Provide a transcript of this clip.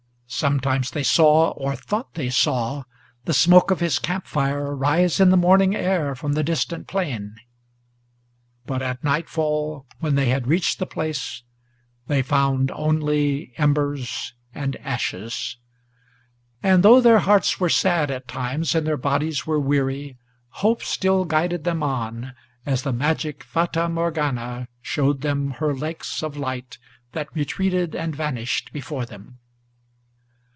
Sometimes they saw, or thought they saw, the smoke of his camp fire Rise in the morning air from the distant plain; but at nightfall, When they had reached the place, they found only embers and ashes. And, though their hearts were sad at times and their bodies were weary, Hope still guided them on, as the magic Fata Morgana Showed them her lakes of light, that retreated and vanished before them.